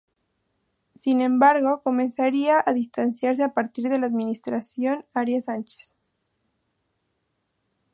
Sin embargo, comenzaría a distanciarse a partir de la administración Arias Sánchez.